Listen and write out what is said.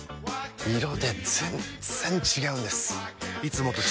色で全然違うんです！